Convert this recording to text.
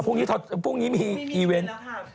นี่มีเอเวนต์